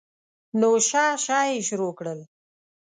نو شه شه یې شروع کړل.